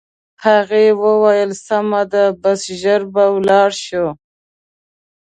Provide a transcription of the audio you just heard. هغې وویل: سمه ده، بس ژر به ولاړ شو.